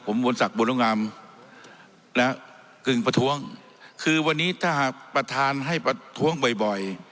มวลศักดิบุรณงามและกึ่งประท้วงคือวันนี้ถ้าหากประธานให้ประท้วงบ่อยบ่อย